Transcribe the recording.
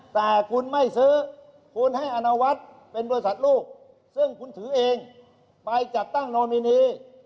แต่คุณไม่ซื้อคุณให้อนวัฒน์เป็นบริษัทลูกซึ่งคุณถือเองไปจัดตั้งโนมินี